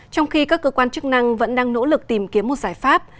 trong khi các cơ quan chức năng vẫn đang nỗ lực tìm kiếm một giải pháp